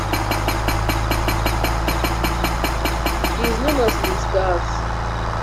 He is known as Les Gaz!